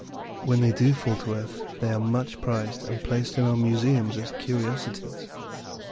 When they do fall on earth, they are much prized and placed in our museums as curiosities.